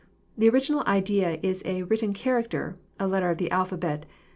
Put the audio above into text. The original idea is a written character," a letter of an alphabet.